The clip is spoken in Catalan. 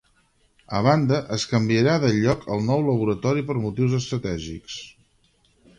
A banda, es canviarà de lloc el nou laboratori per motius estratègics.